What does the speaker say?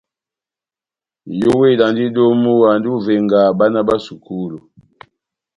Nʼyówedi andi domu, andi ó ivenga bána bá sukulu.